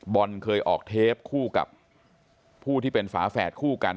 เคยออกเทปคู่กับผู้ที่เป็นฝาแฝดคู่กัน